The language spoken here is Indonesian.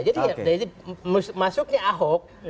jadi masuknya ahok